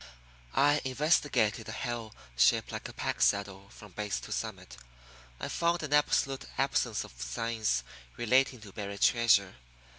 I investigated the hill shaped like a pack saddle from base to summit. I found an absolute absence of signs relating to buried treasure.